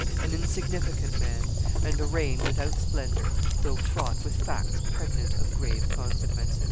An insignificant man, and a reign without splendor, though fraught with facts pregnant of grave consequences.